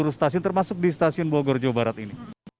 seluruh stasiun termasuk di stasiun bogor jawa barat ini